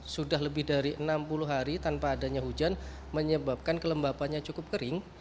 sudah lebih dari enam puluh hari tanpa adanya hujan menyebabkan kelembapannya cukup kering